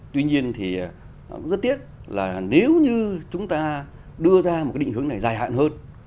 tuy nhiên thì cũng rất tiếc là nếu như chúng ta đưa ra một cái định hướng này dài hạn hơn